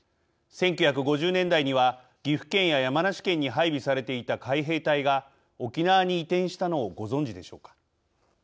１９５０年代には岐阜県や山梨県に配備されていた海兵隊が沖縄に移転したのをご存じでしょうか。